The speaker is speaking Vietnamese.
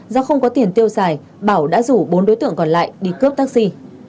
do không có tiền tiêu xài bảo đã rủ bốn đối tượng còn lại đi cướp taxi